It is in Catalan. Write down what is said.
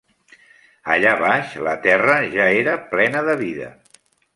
Allà baix, la terra ja era plena de vida.